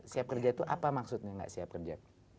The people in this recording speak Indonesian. siap kerja itu apa maksudnya nggak siap kerja